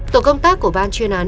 tổ công tác của ban chuyên án